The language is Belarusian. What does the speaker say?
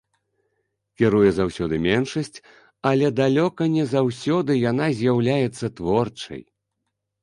Кіруе заўсёды меншасць, але далёка не заўсёды яна з'яўляецца творчай.